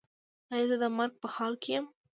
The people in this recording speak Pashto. ایا زه د مرګ په حال کې یم؟